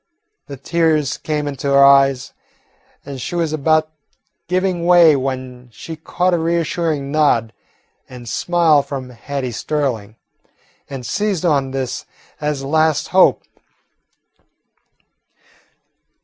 The tears came into her eyes, and she was about giving way when she caught a reassuring nod and smile from Hattie Sterling, and seized on this as a last hope.